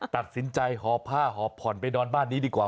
ตัดสินใจหอบผ้าหอบผ่อนไปนอนบ้านนี้ดีกว่า